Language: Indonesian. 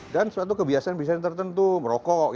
dan suatu kebiasaan bisa tertentu merokok